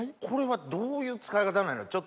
これはどういう使い方なんやろ？